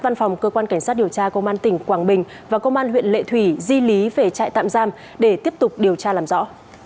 văn phòng cơ quan cảnh sát điều tra công an tỉnh quảng bình và công an huyện lệ thủy di lý về trại tạm giam để tiếp tục điều tra làm rõ